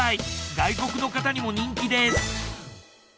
外国の方にも人気です。